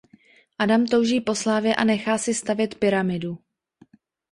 Adam touží po slávě a nechá si stavět pyramidu.